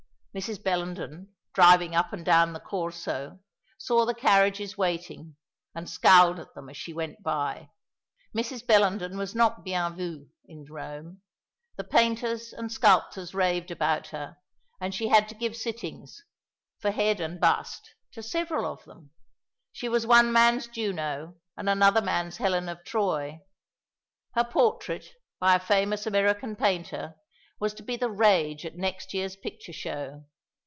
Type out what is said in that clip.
Mrs. Bellenden, driving up and down the Corso, saw the carriages waiting, and scowled at them as she went by. Mrs. Bellenden was not bien vue in Rome. The painters and sculptors raved about her, and she had to give sittings for head and bust to several of them. She was one man's Juno, and another man's Helen of Troy. Her portrait, by a famous American painter, was to be the rage at next year's picture show.